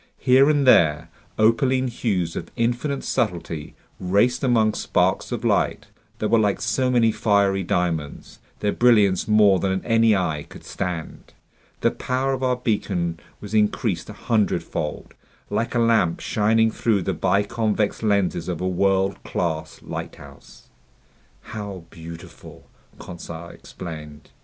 Here and there, opaline hues of infinite subtlety raced among sparks of light that were like so many fiery diamonds, their brilliance more than any eye could stand. The power of our beacon was increased a hundredfold, like a lamp shining through the biconvex lenses of a world class lighthouse. "How beautiful!" Conseil exclaimed.